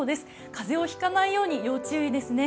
風邪を引かないように要注意ですね。